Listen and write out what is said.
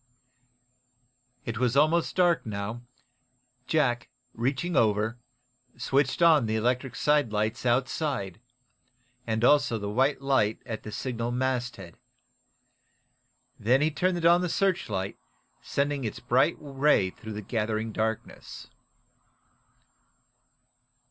It was almost dark now. Jack, reaching over, switched on the electric sidelights outside, and also the white light at the signal masthead. Then he turned on the searchlight, sending its bright ray through the gathering darkness.